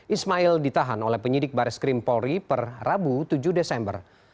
ismail ditahan oleh penyidik baris krim polri per rabu tujuh desember